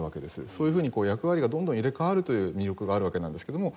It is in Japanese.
そういうふうに役割がどんどん入れ替わるという魅力があるわけなんですけども。